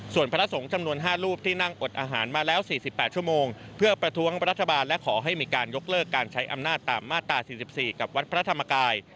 ส่วนพระสงฆ์จำนวน๕รูปที่นั่งอดอาหารมาแล้ว๔๘ชั่วโมงเพื่อประท้วงรัฐบาลและขอให้มีการยกเลิกการใช้อำนาจตามมาตรา๔๔กับวัดพระธรรมกาย